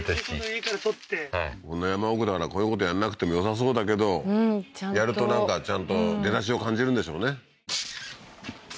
はいこんな山奥だからこういうことやんなくてもよさそうだけどうんちゃんとやるとなんかちゃんと出だしを感じるんでしょうね